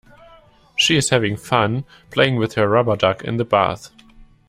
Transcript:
She is having fun playing with her rubber duck in the bath